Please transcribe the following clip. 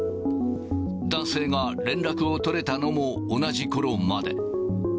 男性が連絡を取れたのも同じころまで。